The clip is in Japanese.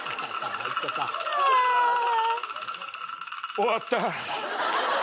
終わった。